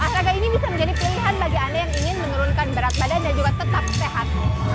olahraga ini bisa menjadi pilihan bagi anda yang ingin menurunkan berat badan dan juga tetap sehat